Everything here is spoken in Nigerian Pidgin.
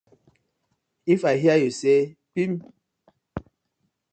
If I hear yu say pipp.